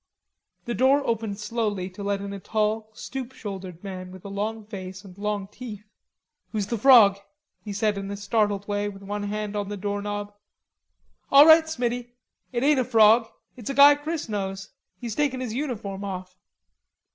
The door opened slowly to let in a tall, stoop shouldered man with a long face and long teeth. "Who's the frawg?" he asked in a startled way, with one hand on the door knob. "All right, Smiddy; it ain't a frawg; it's a guy Chris knows. He's taken his uniform off."